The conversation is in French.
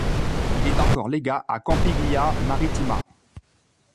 Il est encore légat à Campiglia Marittima.